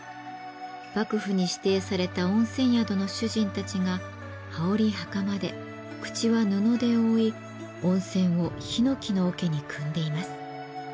幕府に指定された温泉宿の主人たちが羽織袴で口は布で覆い温泉をひのきの桶にくんでいます。